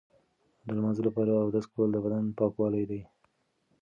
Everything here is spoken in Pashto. د لمانځه لپاره اودس کول د بدن پاکوالی دی.